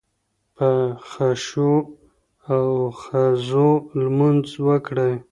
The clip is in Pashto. په خشوع او خضوع لمونځ وکړئ